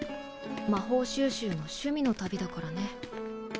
魔法収集の趣味の旅だからね。